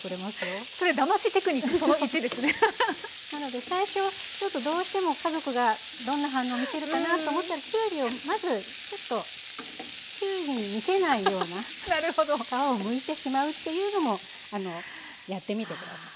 なので最初はどうしても家族がどんな反応見せるかなと思ったらきゅうりをまずちょっときゅうりに見せないような皮をむいてしまうっていうのもやってみて下さい。